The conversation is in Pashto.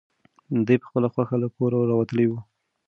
دی په خپله خوښه له کوره راوتلی و.